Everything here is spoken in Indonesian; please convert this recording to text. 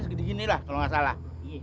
segede gini lah kalau nggak salah